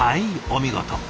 お見事。